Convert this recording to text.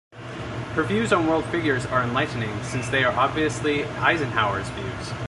Her views on world figures are enlightening, since they are obviously Eisenhower's views.